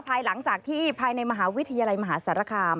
ภายหลังจากที่ภายในมหาวิทยาลัยมหาสารคาม